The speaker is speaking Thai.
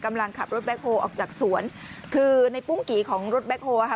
กำลังขับรถแบ็คโฮออกจากสวนคือในปุ้งกี่ของรถแคคโฮลค่ะ